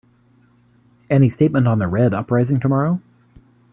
Any statement on the Red uprising tomorrow?